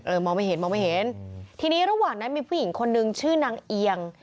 มองไม่เห็นมองไม่เห็นทีนี้ระหว่างนั้นมีผู้หญิงคนนึงชื่อนางเอียง